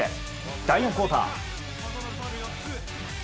第４クオーター。